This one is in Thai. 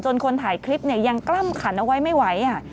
คนถ่ายคลิปเนี่ยยังกล้ำขันเอาไว้ไม่ไหว